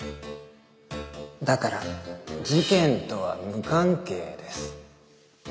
だから事件とは無関係です。